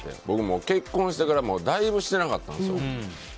僕、結婚してからだいぶしてなかったんですよ。